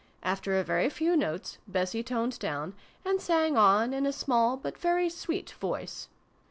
After a very few notes, Bessie toned down, and sang on in a small but very sweet voice.